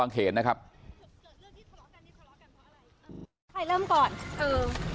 ฝั่งเขาครับพี่